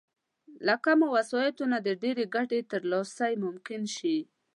له کمو وسايلو نه د ډېرې ګټې ترلاسی ممکن شي.